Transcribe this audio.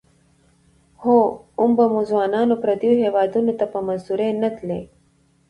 او هم به مو ځوانان پرديو هيوادنو ته په مزدورۍ نه تلى.